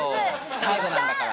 最後なんだから。